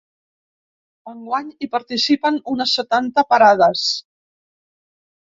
Enguany, hi participen unes setanta parades.